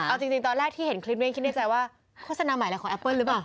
เอาจริงตอนแรกที่เห็นคลิปนี้คิดในใจว่าโฆษณาใหม่อะไรของแอปเปิ้ลหรือเปล่า